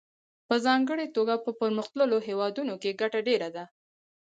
په ځانګړې توګه په پرمختللو هېوادونو کې ګټه ډېره ده